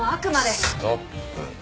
ストップ。